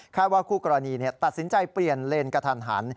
ว่าคู่กรณีตัดสินใจเปลี่ยนเลนกระทันหัน